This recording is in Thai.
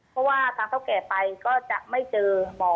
เพราะว่าทางเท่าแก่ไปก็จะไม่เจอหมอ